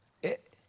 え？